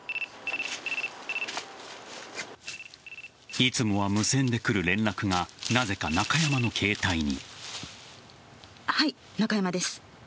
いつもは無線で来る連絡がなぜか、中山の携帯に。